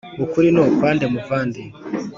ukuri ni ukwande muvandi